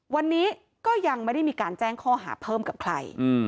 วันนี้ก็ยังไม่ได้มีการแจ้งข้อหาเพิ่มกับใคร